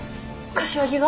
柏木が？